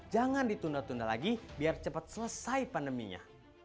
jangan ditunda tunda lagi biar cepat selesai pandeminya